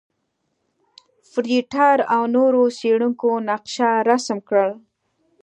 فرېټر او نورو څېړونکو نقشه رسم کړل.